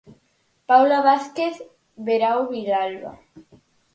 Paula Vázquez Verao Vilalba.